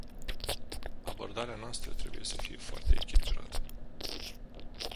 Abordarea noastră trebuie să fie foarte echilibrată.